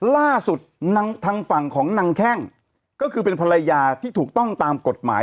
ล่าสุดทางฝั่งของนางแข้งก็คือเป็นภรรยาที่ถูกต้องตามกฎหมาย